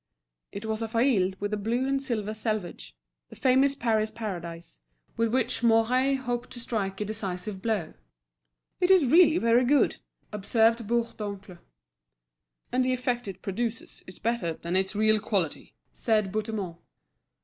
It was a faille with a blue and silver selvage, the famous Paris Paradise, with which Mouret hoped to strike a decisive blow. "It is really very good," observed Bourdoncle. "And the effect it produces is better than its real quality," said Bouthemont.